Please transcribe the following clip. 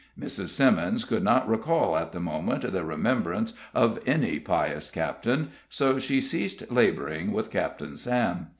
Mrs. Simmons could not recall at the moment the remembrance of any pious captain, so she ceased laboring with Captain Sam.